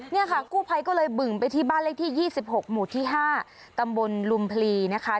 เนี่ยค่ะกู้ไภก็เลยบึงไปที่บ้านเลขที่ยี่สิบหกหมู่ที่ห้าตำบลลุมพลีนะคะ